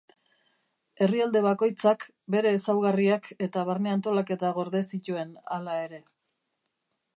Herrialde bakoitzak bere ezaugarriak eta barne-antolaketa gorde zituen, hala ere.